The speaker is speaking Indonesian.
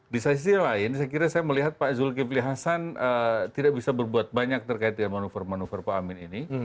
di sisi lain saya kira saya melihat pak zulkifli hasan tidak bisa berbuat banyak terkait dengan manuver manuver pak amin ini